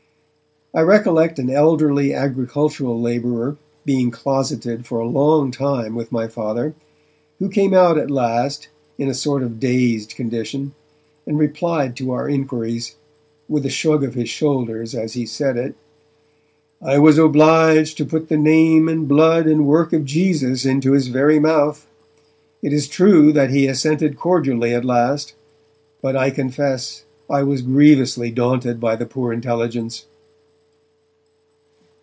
I recollect an elderly agricultural labourer being closeted for a long time with my Father, who came out at last, in a sort of dazed condition, and replied to our inquiries, with a shrug of his shoulders as he said it, 'I was obliged to put the Name and Blood and Work of Jesus into his very mouth. It is true that he assented cordially at last, but I confess I was grievously daunted by the poor intelligence!'